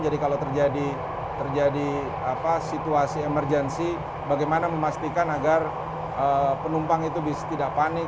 jadi kalau terjadi situasi emergency bagaimana memastikan agar penumpang itu tidak panik